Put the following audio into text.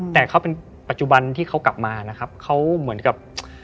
แต่เขาเป็นปัจจุบันที่เขากลับมานะครับเขาเหมือนกับ